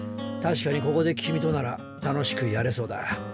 確かにここで君となら楽しくやれそうだ。